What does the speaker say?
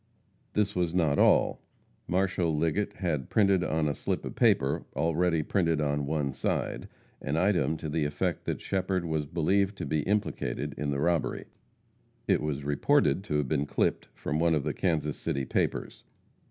This was not all; Marshal Liggett had printed on a slip of paper, already printed on one side, an item to the effect that Shepherd was believed to be implicated in the robbery. It was reported to have been clipped from one of the Kansas City papers.